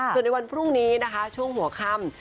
ส่วนในวันพรุ่งนี้นะคะช่วงหัวค่ำ